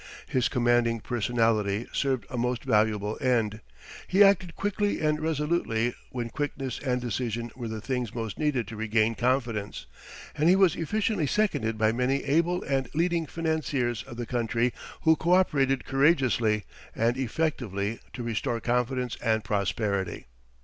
His commanding personality served a most valuable end. He acted quickly and resolutely when quickness and decision were the things most needed to regain confidence, and he was efficiently seconded by many able and leading financiers of the country who coöperated courageously and effectively to restore confidence and prosperity.